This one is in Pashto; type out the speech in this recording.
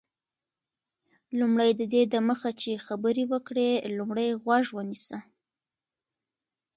لومړی: ددې دمخه چي خبري وکړې، لومړی غوږ ونیسه.